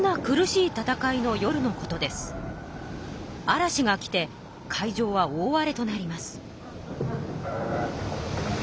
嵐が来て海上は大あれとなります。